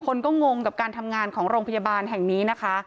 คนก็งงกับการทำงานของโรงพยาบาลแห่งนี้นะคะ